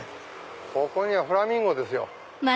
ここにはフラミンゴですよ。